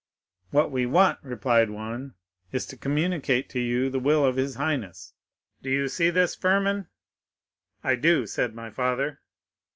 'What we want,' replied one, 'is to communicate to you the will of his highness. Do you see this firman?'—'I do,' said my father.